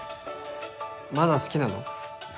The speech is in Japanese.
まだ好きなの？